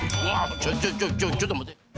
ちょちょちょ、ちょっと待って。